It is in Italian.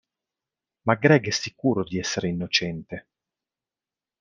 Ma Greg è sicuro di essere innocente!